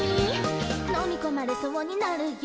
「飲み込まれそうになるよ」